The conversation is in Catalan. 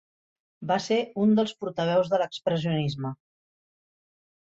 Va ser un dels portaveus de l'expressionisme.